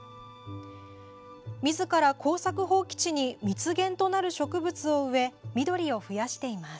みずから耕作放棄地に蜜源となる植物を植え緑を増やしています。